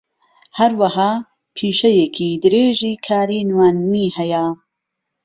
ھەروەھا پیشەیەکی درێژی کاری نواندنی ھەیە